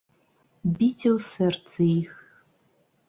Біце ў сэрцы іх!